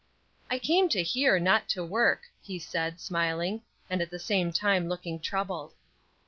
"I came to hear, not to work," he said, smiling, and at the same time looking troubled.